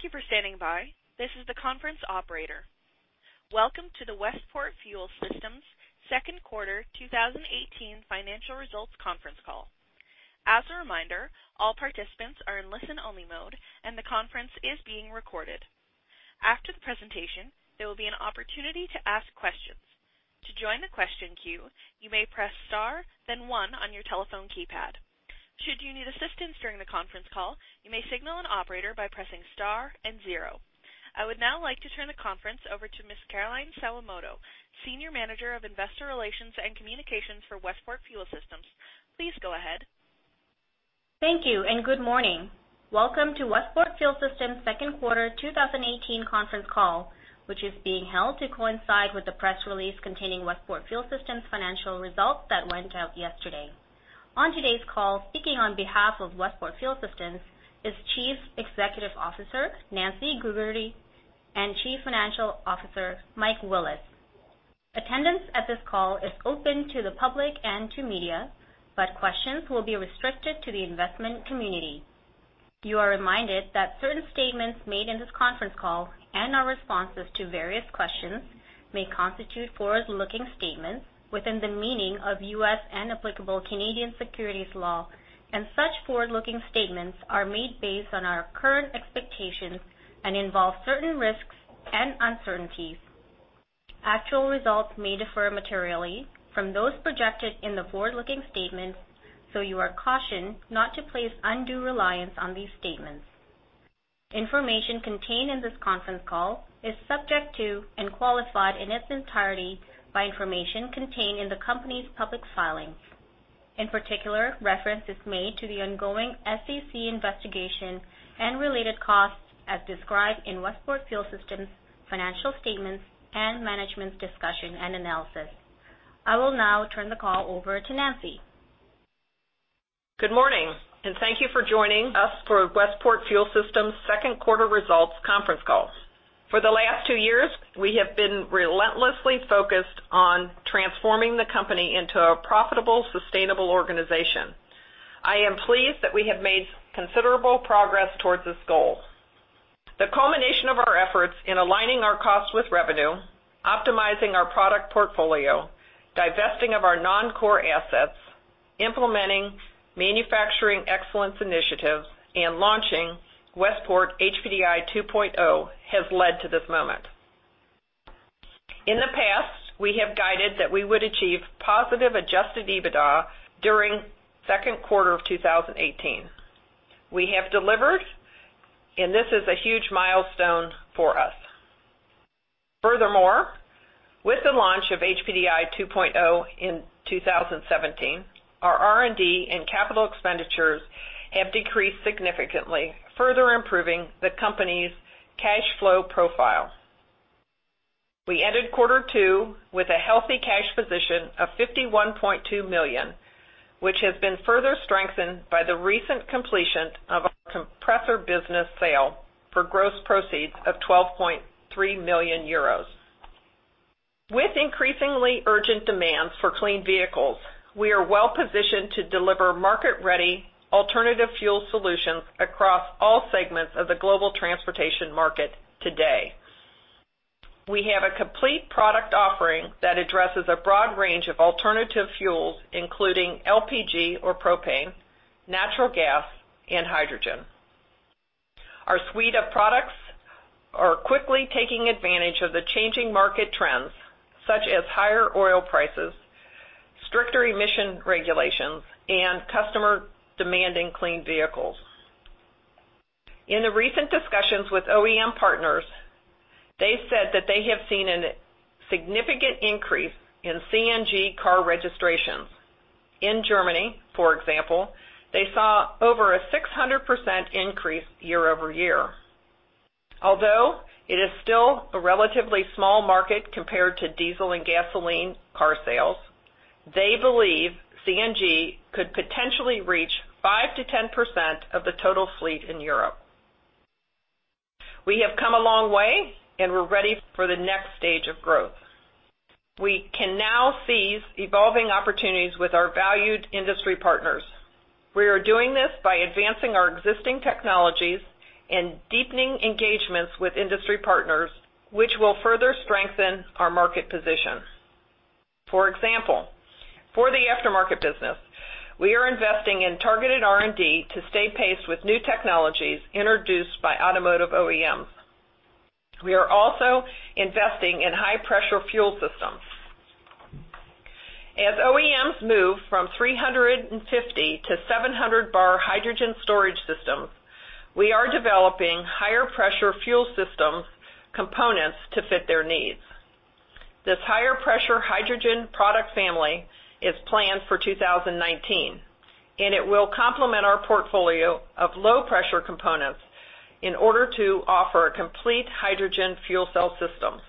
Thank you for standing by. This is the conference operator. Welcome to the Westport Fuel Systems second quarter 2018 financial results conference call. As a reminder, all participants are in listen-only mode, and the conference is being recorded. After the presentation, there will be an opportunity to ask questions. To join the question queue, you may press star then one on your telephone keypad. Should you need assistance during the conference call, you may signal an operator by pressing star and zero. I would now like to turn the conference over to Ms. Caroline Sawamoto, Senior Manager of Investor Relations and Communications for Westport Fuel Systems. Please go ahead. Thank you, and good morning. Welcome to Westport Fuel Systems second quarter 2018 conference call, which is being held to coincide with the press release containing Westport Fuel Systems financial results that went out yesterday. On today's call, speaking on behalf of Westport Fuel Systems is Chief Executive Officer, Nancy Gougarty, and Chief Financial Officer, Michael Willis. Attendance at this call is open to the public and to media, but questions will be restricted to the investment community. You are reminded that certain statements made in this conference call and our responses to various questions may constitute forward-looking statements within the meaning of U.S. and applicable Canadian securities law, and such forward-looking statements are made based on our current expectations and involve certain risks and uncertainties. Actual results may differ materially from those projected in the forward-looking statements. You are cautioned not to place undue reliance on these statements. Information contained in this conference call is subject to and qualified in its entirety by information contained in the company's public filings. In particular, reference is made to the ongoing SEC investigation and related costs as described in Westport Fuel Systems financial statements and management's discussion and analysis. I will now turn the call over to Nancy. Good morning, and thank you for joining us for Westport Fuel Systems second quarter results conference call. For the last two years, we have been relentlessly focused on transforming the company into a profitable, sustainable organization. I am pleased that we have made considerable progress towards this goal. The culmination of our efforts in aligning our costs with revenue, optimizing our product portfolio, divesting of our non-core assets, implementing manufacturing excellence initiatives, and launching Westport HPDI 2.0 has led to this moment. In the past, we have guided that we would achieve positive adjusted EBITDA during second quarter of 2018. We have delivered. This is a huge milestone for us. Furthermore, with the launch of HPDI 2.0 in 2017, our R&D and capital expenditures have decreased significantly, further improving the company's cash flow profile. We ended quarter two with a healthy cash position of $51.2 million, which has been further strengthened by the recent completion of our compressor business sale for gross proceeds of €12.3 million. With increasingly urgent demands for clean vehicles, we are well-positioned to deliver market-ready alternative fuel solutions across all segments of the global transportation market today. We have a complete product offering that addresses a broad range of alternative fuels, including LPG or propane, natural gas, and hydrogen. Our suite of products are quickly taking advantage of the changing market trends, such as higher oil prices, stricter emission regulations, and customer demanding clean vehicles. In the recent discussions with OEM partners, they said that they have seen a significant increase in CNG car registrations. In Germany, for example, they saw over a 600% increase year-over-year. Although it is still a relatively small market compared to diesel and gasoline car sales, they believe CNG could potentially reach 5%-10% of the total fleet in Europe. We have come a long way, and we're ready for the next stage of growth. We can now seize evolving opportunities with our valued industry partners. We are doing this by advancing our existing technologies and deepening engagements with industry partners, which will further strengthen our market position. For example, for the aftermarket business, we are investing in targeted R&D to stay paced with new technologies introduced by automotive OEMs. We are also investing in high-pressure fuel systems. As OEMs move from 350 to 700 bar hydrogen storage systems, we are developing higher pressure fuel system components to fit their needs. This higher pressure hydrogen product family is planned for 2019, and it will complement our portfolio of low-pressure components in order to offer a complete hydrogen fuel cell system.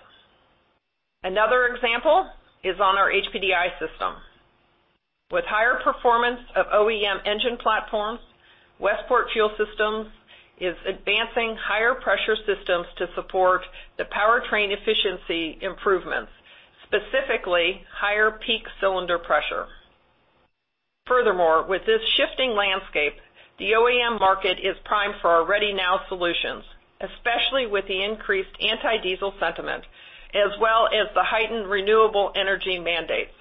Another example is on our HPDI system. With higher performance of OEM engine platforms, Westport Fuel Systems is advancing higher pressure systems to support the powertrain efficiency improvements, specifically higher peak cylinder pressure. Furthermore, with this shifting landscape, the OEM market is primed for our ready now solutions, especially with the increased anti-diesel sentiment as well as the heightened renewable energy mandates.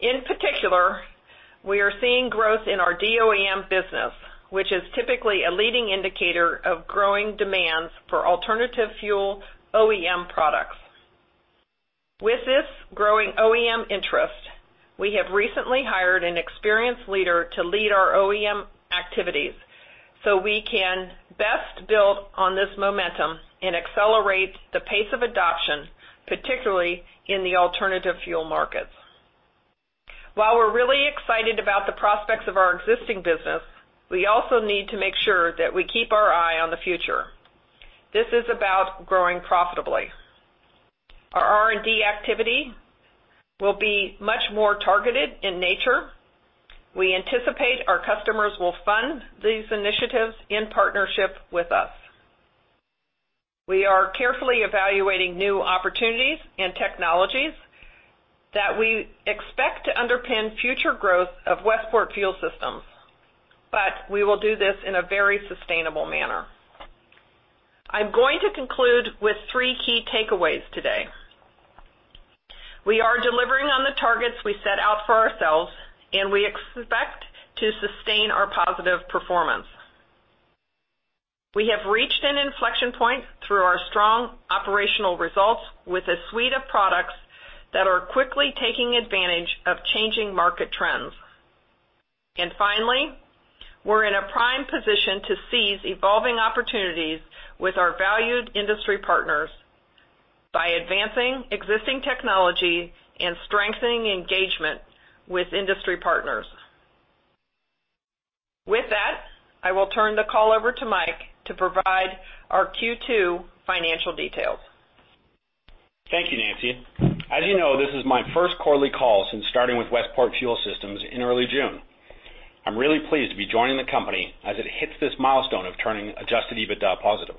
In particular, we are seeing growth in our DOEM business, which is typically a leading indicator of growing demands for alternative fuel OEM products. With this growing OEM interest, we have recently hired an experienced leader to lead our OEM activities so we can best build on this momentum and accelerate the pace of adoption, particularly in the alternative fuel markets. While we're really excited about the prospects of our existing business, we also need to make sure that we keep our eye on the future. This is about growing profitably. Our R&D activity will be much more targeted in nature. We anticipate our customers will fund these initiatives in partnership with us. We are carefully evaluating new opportunities and technologies that we expect to underpin future growth of Westport Fuel Systems, but we will do this in a very sustainable manner. I'm going to conclude with three key takeaways today. We are delivering on the targets we set out for ourselves, and we expect to sustain our positive performance. We have reached an inflection point through our strong operational results with a suite of products that are quickly taking advantage of changing market trends. Finally, we're in a prime position to seize evolving opportunities with our valued industry partners by advancing existing technology and strengthening engagement with industry partners. With that, I will turn the call over to Mike to provide our Q2 financial details. Thank you, Nancy. As you know, this is my first quarterly call since starting with Westport Fuel Systems in early June. I'm really pleased to be joining the company as it hits this milestone of turning adjusted EBITDA positive.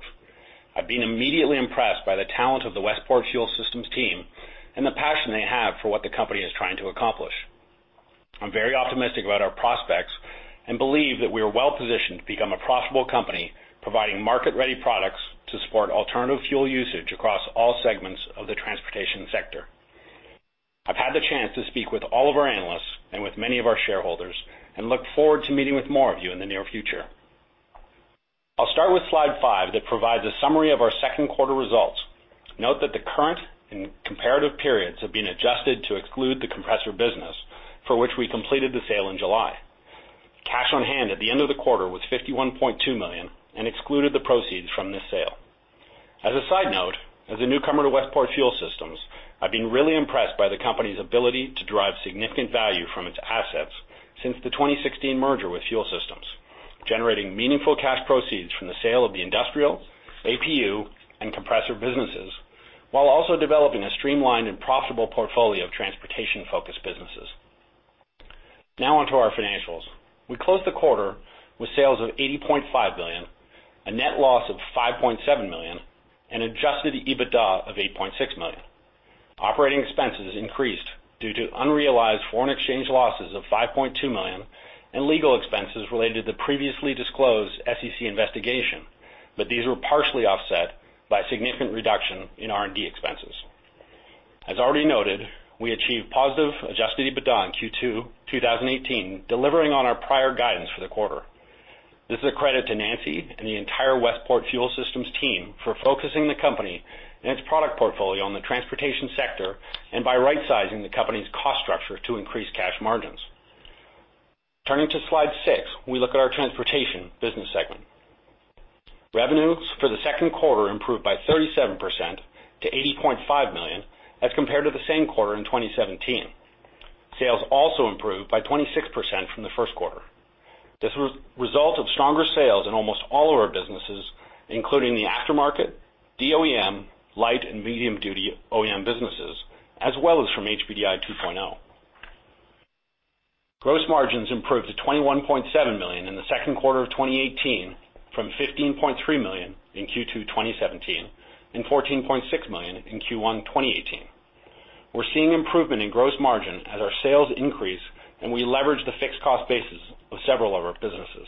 I've been immediately impressed by the talent of the Westport Fuel Systems team and the passion they have for what the company is trying to accomplish. I'm very optimistic about our prospects and believe that we are well-positioned to become a profitable company, providing market-ready products to support alternative fuel usage across all segments of the transportation sector. I've had the chance to speak with all of our analysts and with many of our shareholders and look forward to meeting with more of you in the near future. I'll start with slide five that provides a summary of our second quarter results. Note that the current and comparative periods have been adjusted to exclude the compressor business for which we completed the sale in July. Cash on hand at the end of the quarter was $51.2 million and excluded the proceeds from this sale. As a side note, as a newcomer to Westport Fuel Systems, I've been really impressed by the company's ability to drive significant value from its assets since the 2016 merger with Fuel Systems, generating meaningful cash proceeds from the sale of the industrial, APU, and compressor businesses, while also developing a streamlined and profitable portfolio of transportation-focused businesses. Onto our financials. We closed the quarter with sales of $80.5 million, a net loss of $5.7 million, and adjusted EBITDA of $8.6 million. Operating expenses increased due to unrealized foreign exchange losses of $5.2 million and legal expenses related to the previously disclosed SEC investigation, these were partially offset by a significant reduction in R&D expenses. As already noted, we achieved positive adjusted EBITDA in Q2 2018, delivering on our prior guidance for the quarter. This is a credit to Nancy and the entire Westport Fuel Systems team for focusing the company and its product portfolio on the transportation sector and by rightsizing the company's cost structure to increase cash margins. Turning to slide six, we look at our transportation business segment. Revenues for the second quarter improved by 37% to $80.5 million as compared to the same quarter in 2017. Sales also improved by 26% from the first quarter. This was a result of stronger sales in almost all of our businesses, including the aftermarket, DOEM, light and medium-duty OEM businesses, as well as from HPDI 2.0. Gross margins improved to $21.7 million in the second quarter of 2018 from $15.3 million in Q2 2017 and $14.6 million in Q1 2018. We're seeing improvement in gross margin as our sales increase, and we leverage the fixed cost bases of several of our businesses.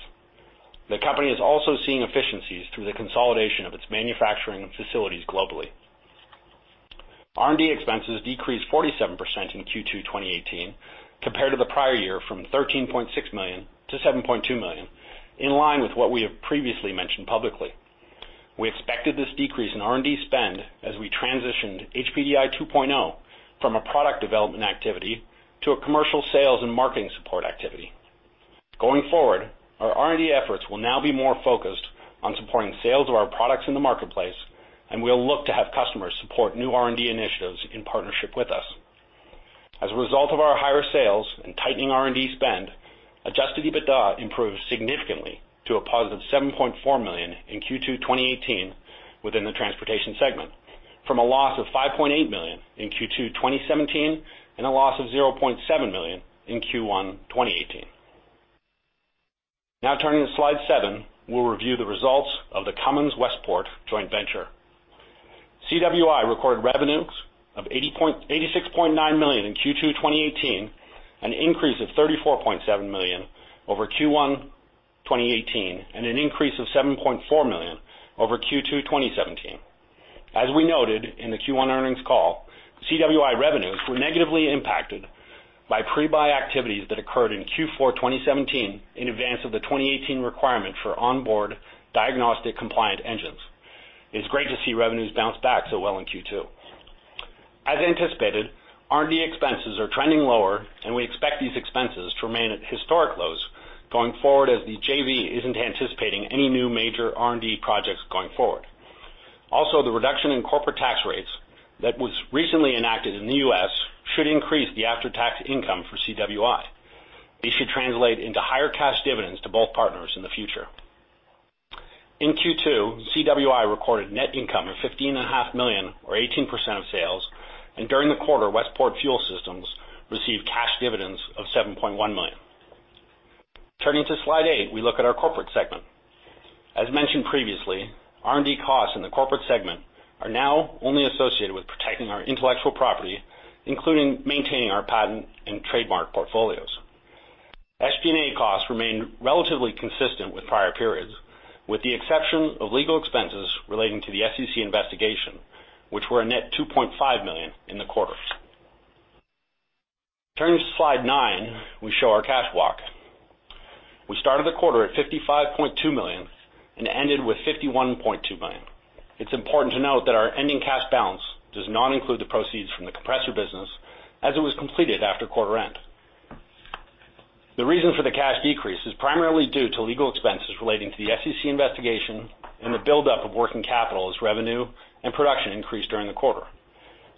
The company is also seeing efficiencies through the consolidation of its manufacturing facilities globally. R&D expenses decreased 47% in Q2 2018 compared to the prior year from $13.6 million to $7.2 million, in line with what we have previously mentioned publicly. We expected this decrease in R&D spend as we transitioned HPDI 2.0 from a product development activity to a commercial sales and marketing support activity. Going forward, our R&D efforts will now be more focused on supporting sales of our products in the marketplace, and we'll look to have customers support new R&D initiatives in partnership with us. As a result of our higher sales and tightening R&D spend, adjusted EBITDA improved significantly to a positive $7.4 million in Q2 2018 within the transportation segment, from a loss of $5.8 million in Q2 2017 and a loss of $0.7 million in Q1 2018. Turning to slide seven, we'll review the results of the Cummins Westport joint venture. CWI recorded revenues of $86.9 million in Q2 2018, an increase of $34.7 million over Q1 2018, and an increase of $7.4 million over Q2 2017. As we noted in the Q1 earnings call, CWI revenues were negatively impacted by pre-buy activities that occurred in Q4 2017 in advance of the 2018 requirement for on-board diagnostic compliant engines. It's great to see revenues bounce back so well in Q2. As anticipated, R&D expenses are trending lower, and we expect these expenses to remain at historic lows going forward as the JV isn't anticipating any new major R&D projects going forward. The reduction in corporate tax rates that was recently enacted in the U.S. should increase the after-tax income for CWI. These should translate into higher cash dividends to both partners in the future. In Q2, CWI recorded net income of $15.5 million, or 18% of sales, and during the quarter, Westport Fuel Systems received cash dividends of $7.1 million. Turning to slide eight, we look at our corporate segment. As mentioned previously, R&D costs in the corporate segment are now only associated with protecting our intellectual property, including maintaining our patent and trademark portfolios. SG&A costs remained relatively consistent with prior periods, with the exception of legal expenses relating to the SEC investigation, which were a net $2.5 million in the quarter. Turning to slide nine, we show our cash walk. We started the quarter at $55.2 million and ended with $51.2 million. It's important to note that our ending cash balance does not include the proceeds from the compressor business as it was completed after quarter end. The reason for the cash decrease is primarily due to legal expenses relating to the SEC investigation and the buildup of working capital as revenue and production increased during the quarter.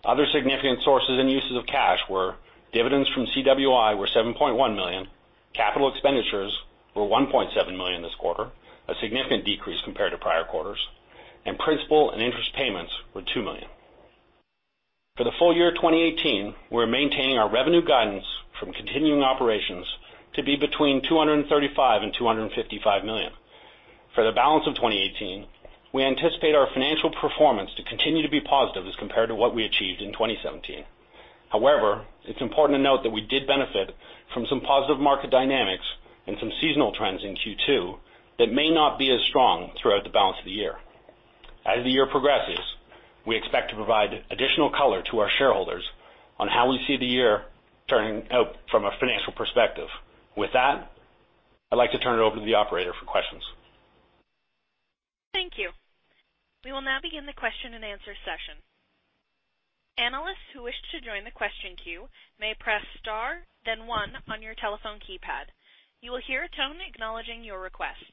Other significant sources and uses of cash were dividends from CWI were $7.1 million. Capital expenditures were $1.7 million this quarter, a significant decrease compared to prior quarters, and principal and interest payments were $2 million. For the full year 2018, we're maintaining our revenue guidance from continuing operations to be between $235 million and $255 million. For the balance of 2018, we anticipate our financial performance to continue to be positive as compared to what we achieved in 2017. It's important to note that we did benefit from some positive market dynamics and some seasonal trends in Q2 that may not be as strong throughout the balance of the year. As the year progresses, we expect to provide additional color to our shareholders on how we see the year turning out from a financial perspective. With that, I'd like to turn it over to the operator for questions. Thank you. We will now begin the question and answer session. Analysts who wish to join the question queue may press star then one on your telephone keypad. You will hear a tone acknowledging your request.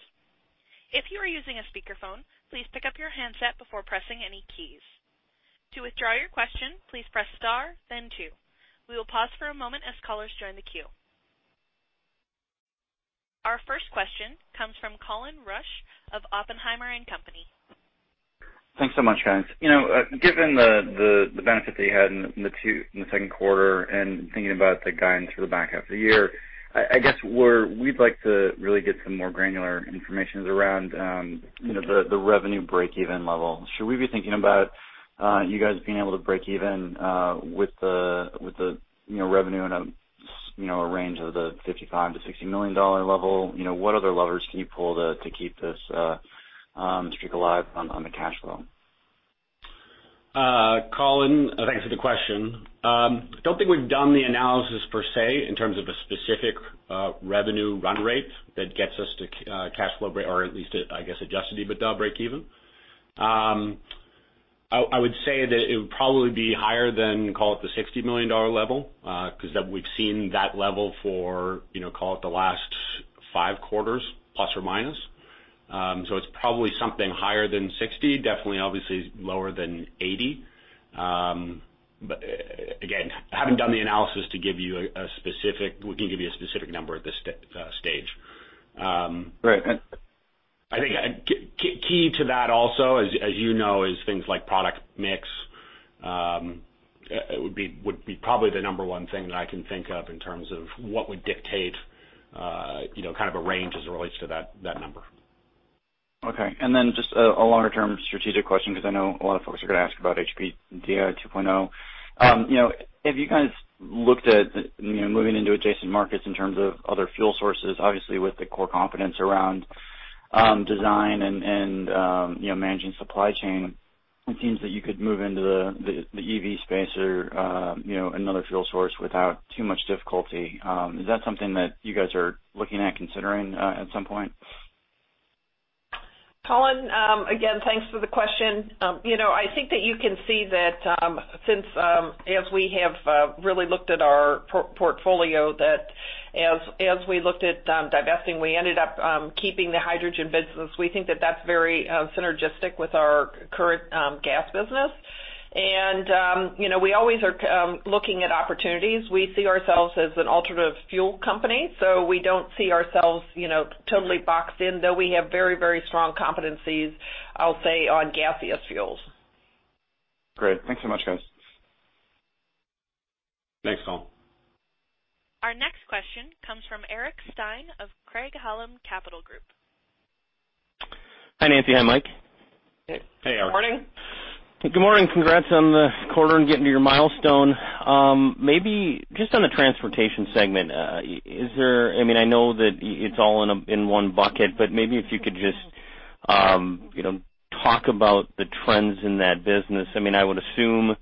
If you are using a speakerphone, please pick up your handset before pressing any keys. To withdraw your question, please press star then two. We will pause for a moment as callers join the queue. Our first question comes from Colin Rusch of Oppenheimer and Company. Thanks so much, guys. Given the benefit that you had in the second quarter and thinking about the guidance for the back half of the year, I guess we'd like to really get some more granular information around the revenue breakeven level. Should we be thinking about you guys being able to break even with the revenue in a range of the $55 million to $60 million level? What other levers can you pull to keep this streak alive on the cash flow? Colin, thanks for the question. Don't think we've done the analysis per se in terms of a specific revenue run rate that gets us to cash flow break or at least, I guess, adjusted EBITDA breakeven. I would say that it would probably be higher than, call it the $60 million level, because we've seen that level for call it the last five quarters, plus or minus. It's probably something higher than $60 million, definitely obviously lower than $80 million. Again, I haven't done the analysis to give you a specific number at this stage. Right. I think key to that also, as you know, is things like product mix. It would be probably the number one thing that I can think of in terms of what would dictate a range as it relates to that number. Okay. Just a longer-term strategic question, because I know a lot of folks are going to ask about HPDI 2.0. Have you guys looked at moving into adjacent markets in terms of other fuel sources? Obviously, with the core competence around design and managing supply chain, it seems that you could move into the EV space or another fuel source without too much difficulty. Is that something that you guys are looking at considering at some point? Colin, again, thanks for the question. I think that you can see that since as we have really looked at our portfolio, that as we looked at divesting, we ended up keeping the hydrogen business. We think that that's very synergistic with our current gas business. We always are looking at opportunities. We see ourselves as an alternative fuel company, so we don't see ourselves totally boxed in, though we have very strong competencies, I'll say, on gaseous fuels. Great. Thanks so much, guys. Thanks. [inaudible] Our next question comes from Eric Stine of Craig-Hallum Capital Group. Hi, Nancy. Hi, Mike. Hey. Hey, Eric. Good morning. Good morning. Congrats on the quarter and getting to your milestone. Maybe just on the transportation segment, I know that it's all in one bucket, but maybe if you could just talk about the trends in that business. I would assume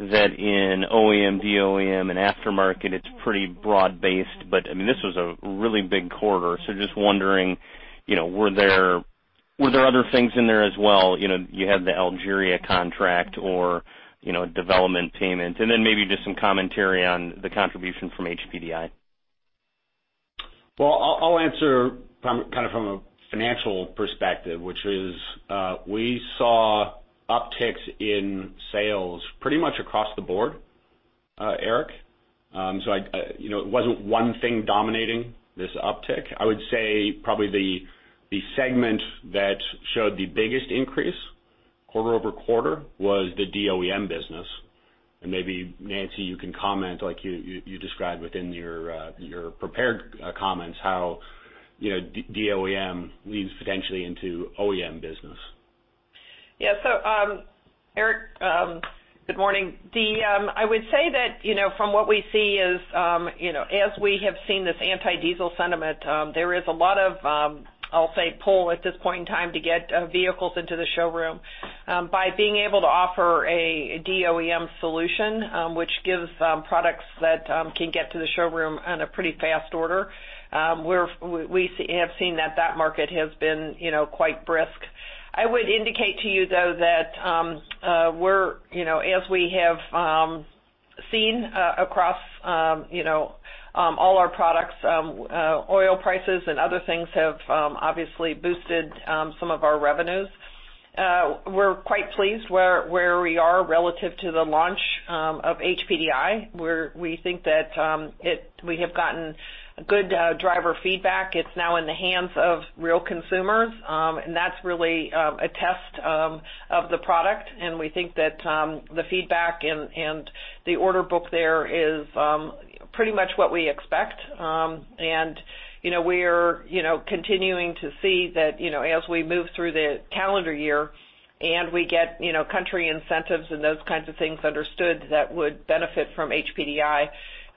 that in OEM, DOEM, and aftermarket, it's pretty broad-based, but this was a really big quarter. Just wondering, were there other things in there as well? You had the Algeria contract or development payment. And then maybe just some commentary on the contribution from HPDI. Well, I'll answer from a financial perspective, which is we saw upticks in sales pretty much across the board, Eric. It wasn't one thing dominating this uptick. I would say probably the segment that showed the biggest increase quarter-over-quarter was the DOEM business. Maybe, Nancy, you can comment, like you described within your prepared comments how DOEM leads potentially into OEM business. Yeah. Eric, good morning. I would say that from what we see is as we have seen this anti-diesel sentiment there is a lot of, I'll say, pull at this point in time to get vehicles into the showroom by being able to offer a DOEM solution which gives products that can get to the showroom on a pretty fast order. We have seen that market has been quite brisk. I would indicate to you, though, that as we have seen across all our products, oil prices and other things have obviously boosted some of our revenues. We're quite pleased where we are relative to the launch of HPDI, where we think that we have gotten good driver feedback. It's now in the hands of real consumers, and that's really a test of the product. We think that the feedback and the order book there is pretty much what we expect. We're continuing to see that as we move through the calendar year and we get country incentives and those kinds of things understood that would benefit from HPDI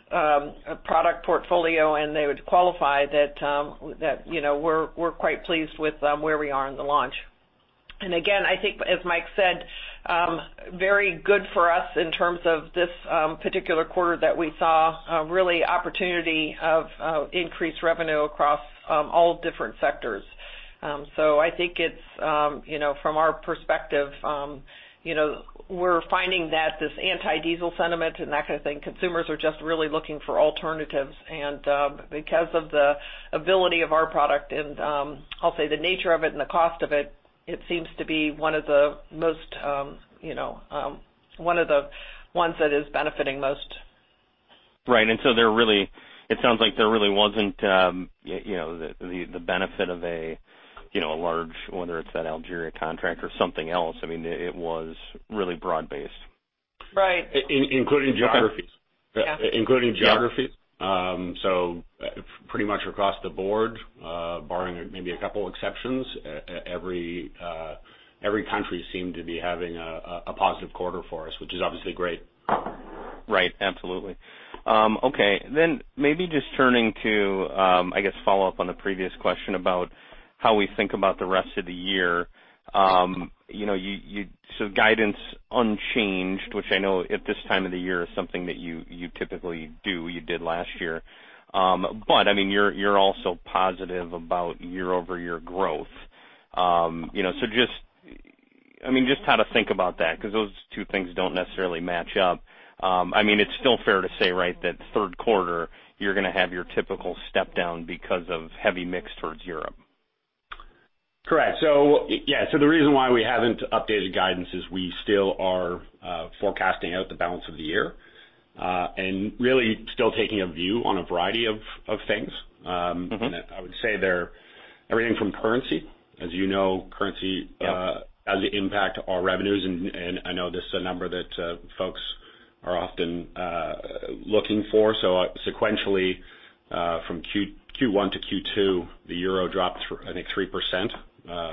product portfolio, and they would qualify that we're quite pleased with where we are in the launch. Again, I think, as Mike said, very good for us in terms of this particular quarter that we saw really opportunity of increased revenue across all different sectors. I think from our perspective we're finding that this anti-diesel sentiment and that kind of thing, consumers are just really looking for alternatives. Because of the ability of our product and I'll say the nature of it and the cost of it seems to be one of the ones that is benefiting most. Right. It sounds like there really wasn't the benefit of a large, whether it's that Algeria contract or something else, it was really broad based. Right. Including geographies. Yeah. Including geographies. Pretty much across the board, barring maybe a couple exceptions, every country seemed to be having a positive quarter for us, which is obviously great. Right. Absolutely. Maybe just turning to follow up on the previous question about how we think about the rest of the year. Guidance unchanged, which I know at this time of the year is something that you typically do, you did last year. You're also positive about year-over-year growth. Just how to think about that, because those two things don't necessarily match up. It's still fair to say, right, that third quarter, you're going to have your typical step down because of heavy mix towards Europe. Correct. The reason why we haven't updated guidance is we still are forecasting out the balance of the year, and really still taking a view on a variety of things. I would say they're everything from currency. As you know, currency Yeah has the impact on revenues, and I know this is a number that folks are often looking for. Sequentially, from Q1 to Q2, the EUR dropped, I think 3%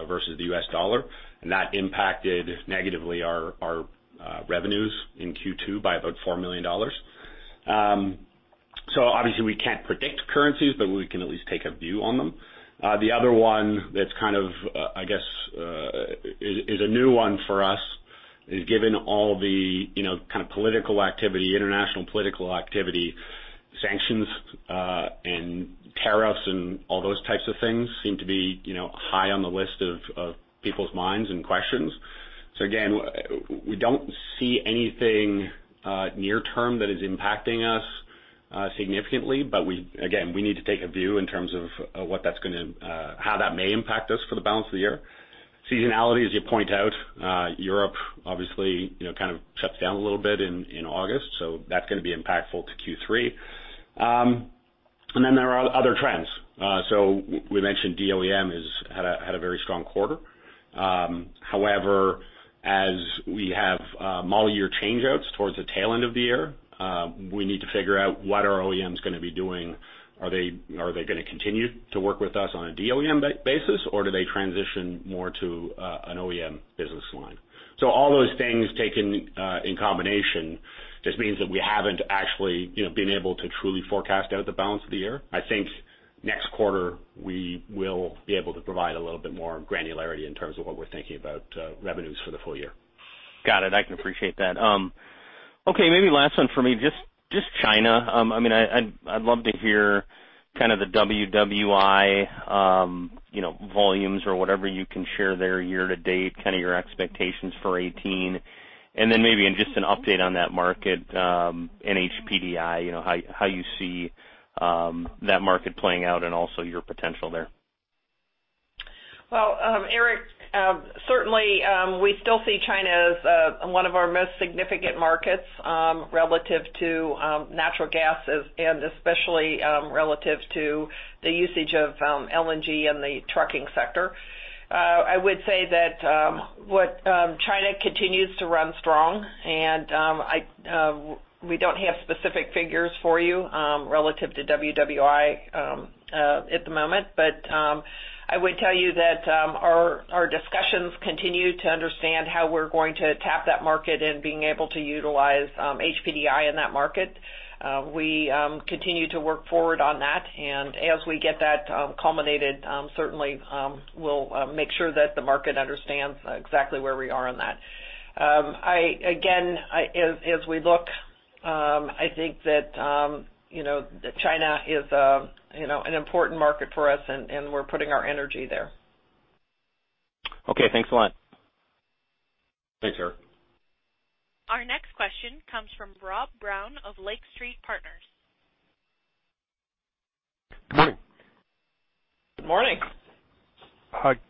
versus the US dollar, and that impacted negatively our revenues in Q2 by about $4 million. Obviously we can't predict currencies, but we can at least take a view on them. The other one that's, I guess, is a new one for us is given all the kind of political activity, international political activity, sanctions and tariffs and all those types of things seem to be high on the list of people's minds and questions. Again, we don't see anything near term that is impacting us significantly. Again, we need to take a view in terms of how that may impact us for the balance of the year. Seasonality, as you point out, Europe obviously kind of shuts down a little bit in August, so that's going to be impactful to Q3. There are other trends. We mentioned DOEM had a very strong quarter. However, as we have model year changeouts towards the tail end of the year, we need to figure out what are OEMs going to be doing. Are they going to continue to work with us on a DOEM basis, or do they transition more to an OEM business line? All those things taken in combination just means that we haven't actually been able to truly forecast out the balance of the year. I think next quarter, we will be able to provide a little bit more granularity in terms of what we're thinking about revenues for the full year. Got it. I can appreciate that. Maybe last one for me, just China. I'd love to hear the WWI volumes or whatever you can share there year to date, your expectations for 2018, and then maybe just an update on that market, HPDI, how you see that market playing out and also your potential there. Well, Eric, certainly, we still see China as one of our most significant markets relative to natural gas and especially relative to the usage of LNG in the trucking sector. I would say that China continues to run strong. We don't have specific figures for you relative to WWI at the moment. I would tell you that our discussions continue to understand how we're going to tap that market and being able to utilize HPDI in that market. We continue to work forward on that, and as we get that culminated, certainly we'll make sure that the market understands exactly where we are on that. Again, as we look, I think that China is an important market for us, and we're putting our energy there. Thanks a lot. Thanks, Eric. Our next question comes from Rob Brown of Lake Street Capital Markets. Good morning. Good morning.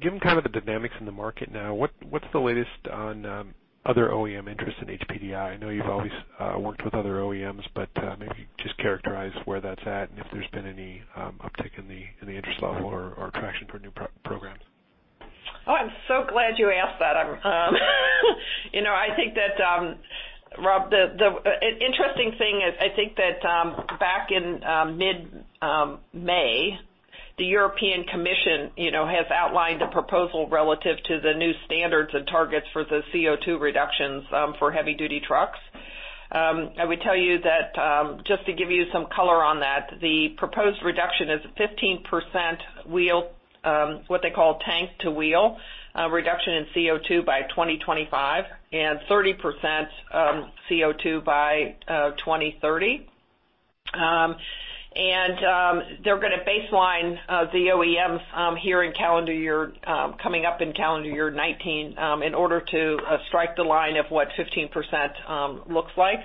Given the dynamics in the market now, what's the latest on other OEM interest in HPDI? I know you've always worked with other OEMs, but maybe just characterize where that's at and if there's been any uptick in the interest level or traction for new programs. I'm so glad you asked that, Rob. The interesting thing is, I think that back in mid-May, the European Commission has outlined a proposal relative to the new standards and targets for the CO2 reductions for heavy-duty trucks. I would tell you that just to give you some color on that, the proposed reduction is 15% wheel, what they call tank-to-wheel reduction in CO2 by 2025, and 30% CO2 by 2030. They're going to baseline the OEMs coming up in calendar year 2019 in order to strike the line of what 15% looks like.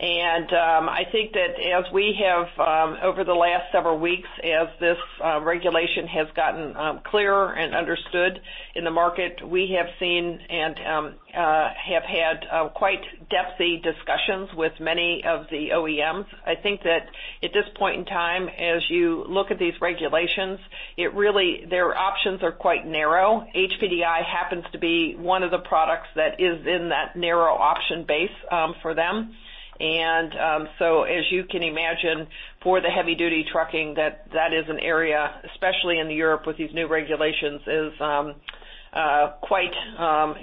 I think that as we have over the last several weeks, as this regulation has gotten clearer and understood in the market, we have seen and have had quite depthy discussions with many of the OEMs. I think that at this point in time, as you look at these regulations, their options are quite narrow. HPDI happens to be one of the products that is in that narrow option base for them. As you can imagine, for the heavy-duty trucking, that is an area, especially in Europe with these new regulations, is quite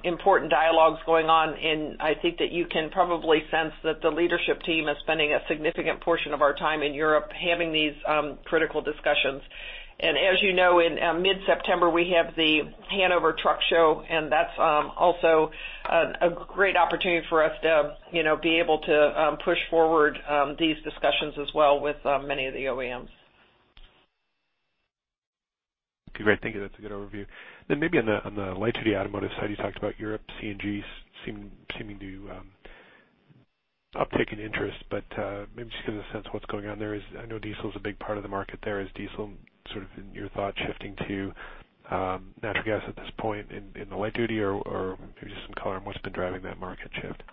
important dialogues going on. I think that you can probably sense that the leadership team is spending a significant portion of our time in Europe having these critical discussions. As you know, in mid-September, we have the Hanover Truck Show, and that's also a great opportunity for us to be able to push forward these discussions as well with many of the OEMs. Okay, great. Thank you. That's a good overview. Maybe on the light-duty automotive side, you talked about Europe, CNGs seeming to uptick in interest, maybe just give us a sense of what's going on there. I know diesel is a big part of the market there. Is diesel in your thought shifting to natural gas at this point in the light duty, or maybe just some color on what's been driving that market shift?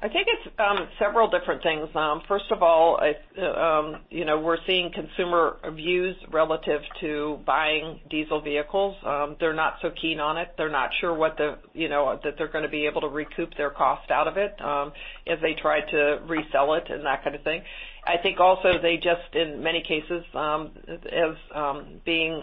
I think it's several different things. First of all, we're seeing consumer views relative to buying diesel vehicles. They're not so keen on it. They're not sure that they're going to be able to recoup their cost out of it if they try to resell it and that kind of thing. I think also they just, in many cases, as being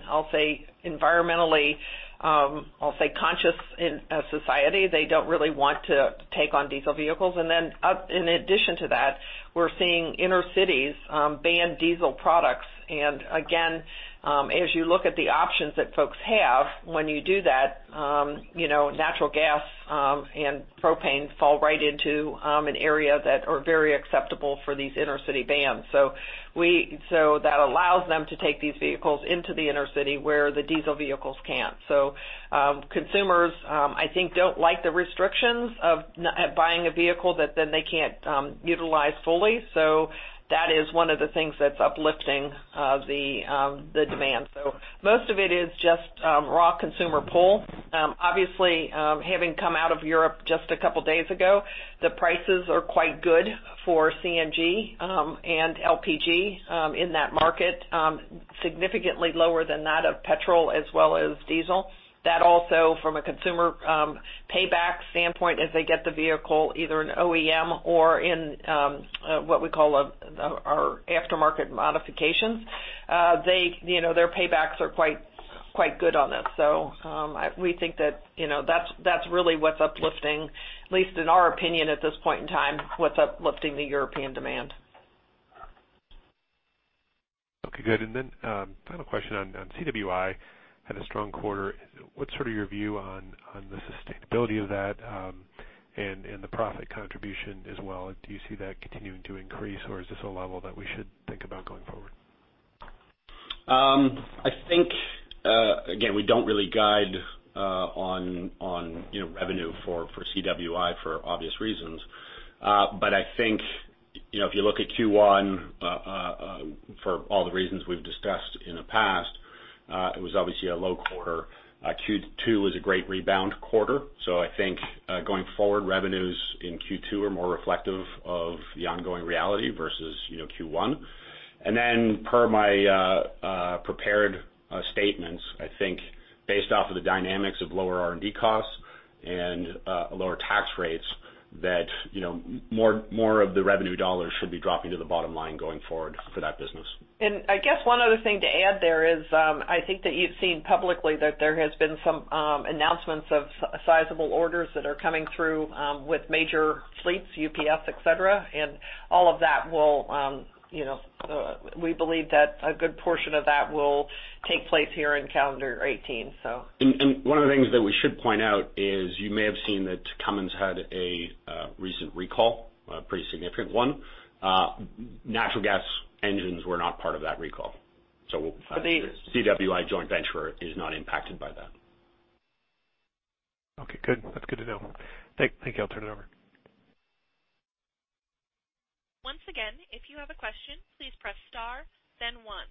environmentally conscious in a society, they don't really want to take on diesel vehicles. In addition to that, we're seeing inner cities ban diesel products. Again, as you look at the options that folks have when you do that, natural gas and propane fall right into an area that are very acceptable for these inner city bans. That allows them to take these vehicles into the inner city where the diesel vehicles can't. Consumers, I think, don't like the restrictions of buying a vehicle that then they can't utilize fully. That is one of the things that's uplifting the demand. Most of it is just raw consumer pull. Obviously, having come out of Europe just a couple of days ago, the prices are quite good for CNG and LPG in that market, significantly lower than that of petrol as well as diesel. That also from a consumer payback standpoint, as they get the vehicle, either an OEM or in what we call our aftermarket modifications, their paybacks are quite good on this. We think that's really what's uplifting, at least in our opinion at this point in time, the European demand. Okay, good. Final question on CWI had a strong quarter. What's sort of your view on the sustainability of that and the profit contribution as well? Do you see that continuing to increase or is this a level that we should think about going forward? I think, again, we don't really guide on revenue for CWI for obvious reasons. I think, if you look at Q1 for all the reasons we've discussed in the past, it was obviously a low quarter. Q2 was a great rebound quarter. I think going forward, revenues in Q2 are more reflective of the ongoing reality versus Q1. Per my prepared statements, I think based off of the dynamics of lower R&D costs and lower tax rates, that more of the revenue dollars should be dropping to the bottom line going forward for that business. I guess one other thing to add there is I think that you've seen publicly that there has been some announcements of sizable orders that are coming through with major fleets, UPS, et cetera. All of that, we believe that a good portion of that will take place here in calendar 2018. One of the things that we should point out is you may have seen that Cummins had a recent recall, a pretty significant one. Natural gas engines were not part of that recall. CWI joint venture is not impacted by that. Okay, good. That's good to know. Thank you. I'll turn it over. Once again, if you have a question, please press star then one.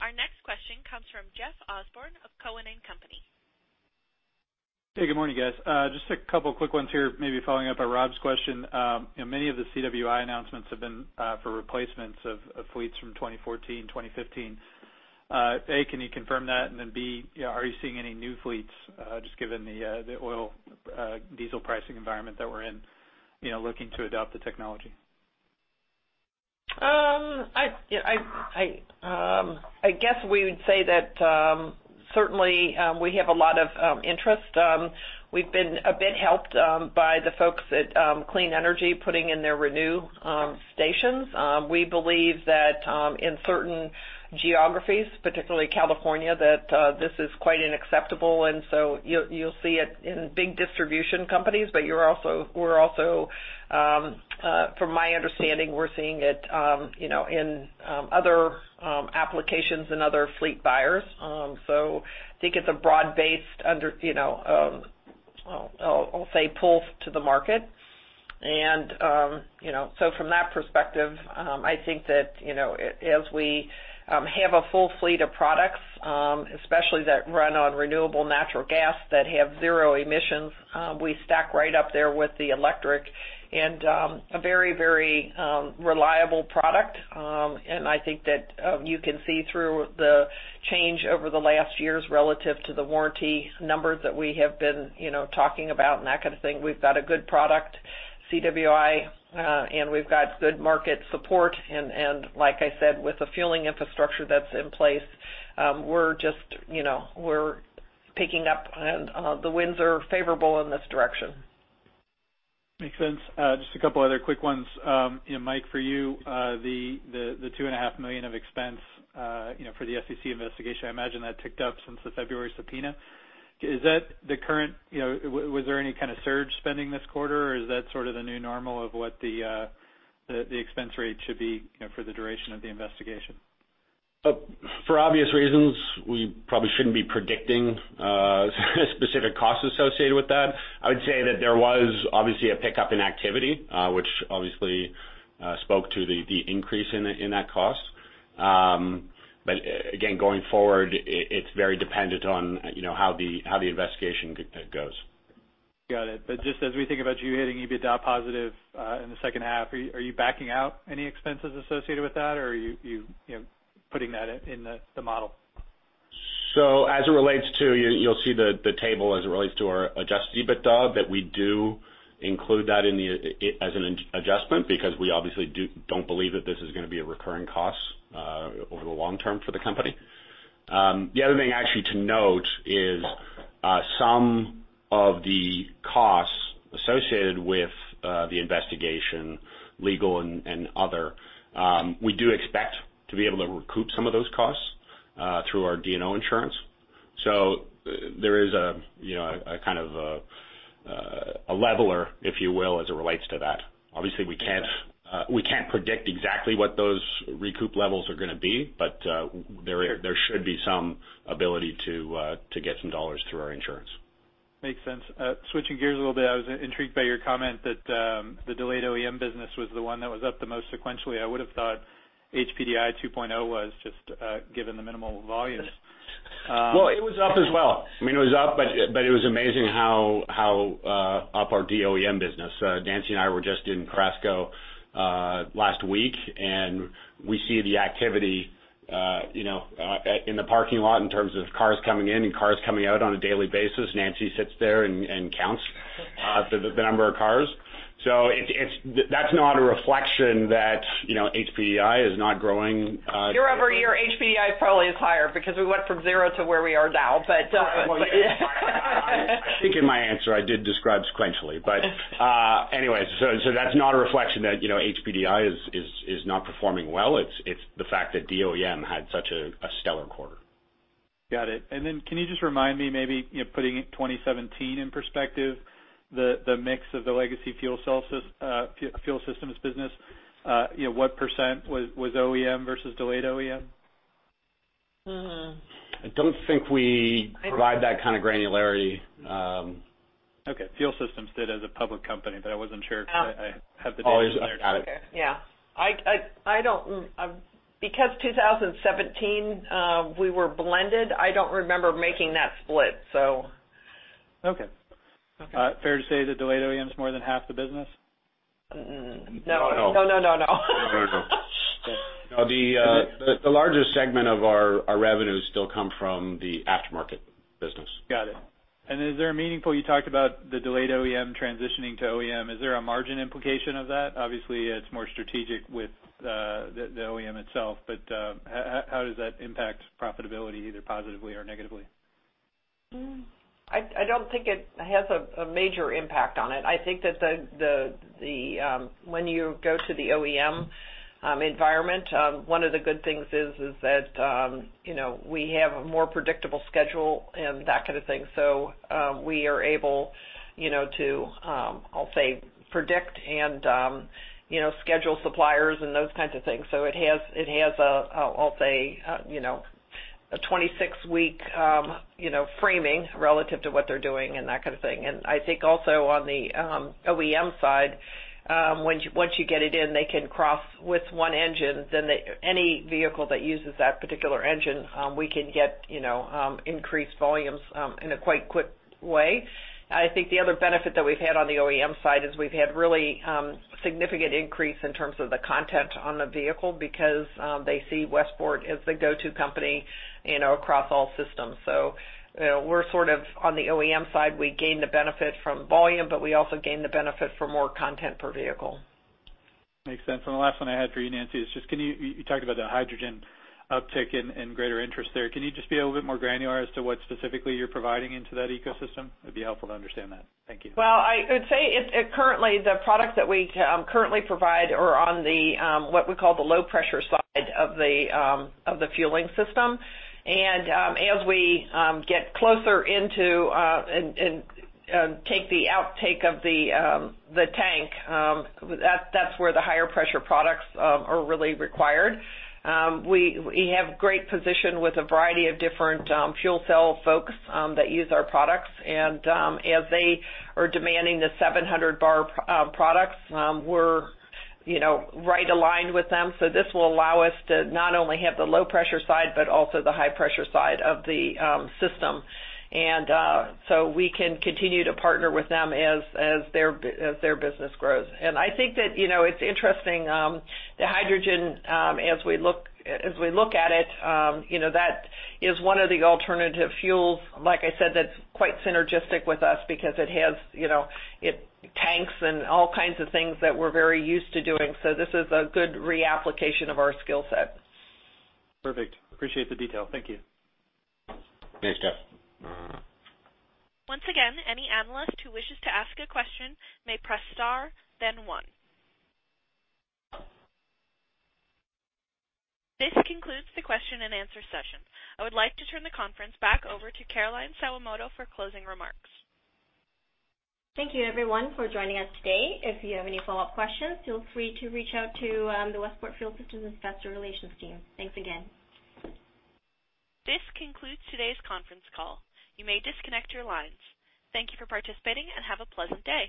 Our next question comes from Jeff Osborne of Cowen and Company. Hey, good morning, guys. Just a couple quick ones here, maybe following up on Rob's question. Many of the CWI announcements have been for replacements of fleets from 2014, 2015. A, can you confirm that? B, are you seeing any new fleets, just given the oil diesel pricing environment that we're in, looking to adopt the technology? I guess we would say that certainly we have a lot of interest. We've been a bit helped by the folks at Clean Energy putting in their Redeem stations. We believe that in certain geographies, particularly California, that this is quite acceptable, you'll see it in big distribution companies. From my understanding, we're seeing it in other applications and other fleet buyers. I think it's a broad-based, I'll say, pull to the market. From that perspective, I think that as we have a full fleet of products, especially that run on renewable natural gas that have zero emissions, we stack right up there with the electric and a very, very reliable product. I think that you can see through the change over the last years relative to the warranty numbers that we have been talking about and that kind of thing. We've got a good product, CWI, and we've got good market support. Like I said, with the fueling infrastructure that's in place, we're picking up and the winds are favorable in this direction. Makes sense. Just a couple other quick ones. Mike, for you, the $2.5 million of expense for the SEC investigation, I imagine that ticked up since the February subpoena. Was there any kind of surge spending this quarter or is that sort of the new normal of what the expense rate should be for the duration of the investigation? For obvious reasons, we probably shouldn't be predicting specific costs associated with that. I would say that there was obviously a pickup in activity, which obviously spoke to the increase in that cost. Again, going forward, it's very dependent on how the investigation goes. Got it. Just as we think about you hitting EBITDA positive in the second half, are you backing out any expenses associated with that or are you putting that in the model? As it relates to, you'll see the table as it relates to our adjusted EBITDA, that we do include that as an adjustment because we obviously don't believe that this is going to be a recurring cost over the long term for the company. The other thing actually to note is some of the costs associated with the investigation, legal and other, we do expect to be able to recoup some of those costs through our D&O insurance. There is a leveler, if you will, as it relates to that. Obviously, we can't predict exactly what those recoup levels are going to be, but there should be some ability to get some dollars through our insurance. Makes sense. Switching gears a little bit, I was intrigued by your comment that the delayed OEM business was the one that was up the most sequentially. I would have thought HPDI 2.0 was just given the minimal volumes. Well, it was up as well. I mean, it was up, but it was amazing how up our OEM business. Nancy and I were just in Cherasco last week, and we see the activity in the parking lot in terms of cars coming in and cars coming out on a daily basis. Nancy sits there and counts the number of cars. That's not a reflection that HPDI is not growing. Year-over-year, HPDI probably is higher because we went from zero to where we are now. I think in my answer I did describe sequentially. Anyways, that's not a reflection that HPDI is not performing well. It's the fact that OEM had such a stellar quarter. Got it. Then can you just remind me, maybe putting 2017 in perspective, the mix of the legacy fuel systems business, what % was OEM versus delayed OEM? I don't think we provide that kind of granularity. Okay. Fuel Systems did as a public company. I wasn't sure. Got it. Yeah. 2017, we were blended, I don't remember making that split. Okay. Fair to say that delayed OEM is more than half the business? No. No. No. No. The larger segment of our revenue still come from the aftermarket business. Got it. You talked about the delayed OEM transitioning to OEM. Is there a margin implication of that? Obviously, it's more strategic with the OEM itself, how does that impact profitability, either positively or negatively? I don't think it has a major impact on it. I think that when you go to the OEM environment, one of the good things is that we have a more predictable schedule and that kind of thing. We are able to, I'll say, predict and schedule suppliers and those kinds of things. It has, I'll say, a 26-week framing relative to what they're doing and that kind of thing. I think also on the OEM side, once you get it in, they can cross with one engine, then any vehicle that uses that particular engine, we can get increased volumes in a quite quick way. I think the other benefit that we've had on the OEM side is we've had really significant increase in terms of the content on the vehicle because they see Westport as the go-to company across all systems. We're sort of on the OEM side, we gain the benefit from volume, but we also gain the benefit for more content per vehicle. Makes sense. The last one I had for you, Nancy, you talked about the hydrogen uptick and greater interest there. Can you just be a little bit more granular as to what specifically you're providing into that ecosystem? It'd be helpful to understand that. Thank you. Well, I would say the products that we currently provide are on what we call the low-pressure side of the fueling system. As we get closer into and take the outtake of the tank, that's where the higher pressure products are really required. We have great position with a variety of different fuel cell folks that use our products. As they are demanding the 700 bar products, we're right aligned with them. This will allow us to not only have the low pressure side, but also the high pressure side of the system. We can continue to partner with them as their business grows. I think that it's interesting, the hydrogen, as we look at it, that is one of the alternative fuels, like I said, that's quite synergistic with us because it tanks and all kinds of things that we're very used to doing. This is a good reapplication of our skillset. Perfect. Appreciate the detail. Thank you. Thanks, Jeff. Once again, any analyst who wishes to ask a question may press star, then one. This concludes the question and answer session. I would like to turn the conference back over to Caroline Sawamoto for closing remarks. Thank you everyone for joining us today. If you have any follow-up questions, feel free to reach out to the Westport Fuel Systems investor relations team. Thanks again. This concludes today's conference call. You may disconnect your lines. Thank you for participating and have a pleasant day.